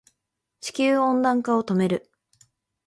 地球温暖化を止める